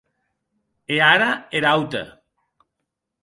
E ara er aute.